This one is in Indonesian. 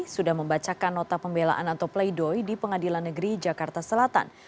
sudah membacakan nota pembelaan atau play doh di pengadilan negeri jakarta selatan